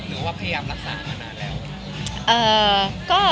หรือว่าพยายามรักษามานานแล้ว